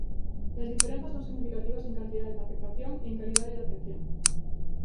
E as diferenzas son significativas en cantidade de afectación e en calidade de atención.